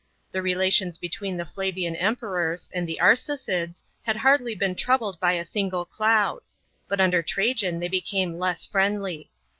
The relations between the Flavian Emperors and the Arsacids had hardly been troubled by a single cloud ; but under Trajan they became less friendly.